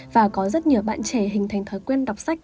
và có rất nhiều bạn trẻ hình thành thói quen đọc sách